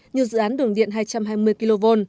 như dự án đường điện hai trăm hai mươi kv